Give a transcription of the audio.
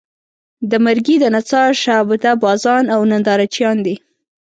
د مرګي د نڅا شعبده بازان او نندارچیان دي.